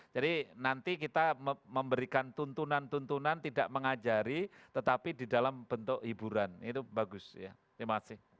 jadi nanti kita memberikan tuntunan tuntunan tidak mengajari tetapi di dalam bentuk hiburan itu bagus ya terima kasih